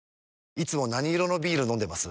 いつも何色のビール飲んでます？